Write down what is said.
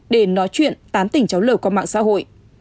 để nói chuyện tán tỉnh cháu lợ qua mạng xã hội